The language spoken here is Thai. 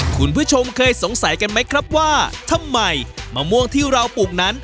คุณผู้ชมเคยสงสัยกันไหมครับว่าทำไมมะม่วงที่เราปลูกนั้น